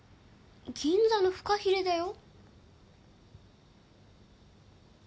銀座のフカヒレだよ？